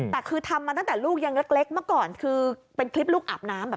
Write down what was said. แต่คือทำมาตั้งแต่ลูกยังเล็กเมื่อก่อนคือเป็นคลิปลูกอาบน้ำ